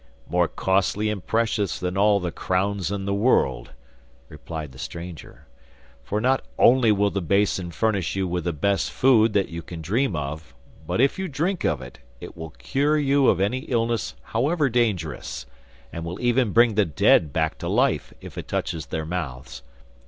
'More costly and precious than all the crowns in the world,' replied the stranger, 'for not only will the basin furnish you with the best food that you can dream of, but if you drink of it, it will cure you of any illness however dangerous, and will even bring the dead back to life, if it touches their mouths.